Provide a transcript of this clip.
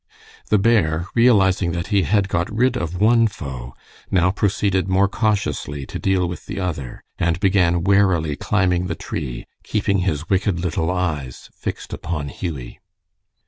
The bear, realizing that he had got rid of one foe, now proceeded more cautiously to deal with the other, and began warily climbing the tree, keeping his wicked little eyes fixed upon Hughie.